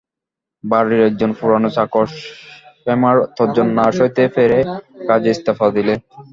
বাড়ির একজন পুরোনো চাকর শ্যামার তর্জন না সইতে পেরে কাজে ইস্তফা দিলে।